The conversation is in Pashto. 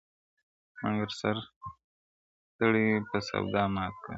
مگر سر ستړی په سودا مات کړي,